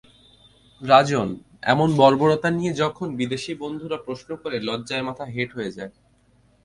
রাজন, এমন বর্বরতা নিয়ে যখন বিদেশি বন্ধুরা প্রশ্ন করে, লজ্জায় মাথা হেঁট হয়ে যায়।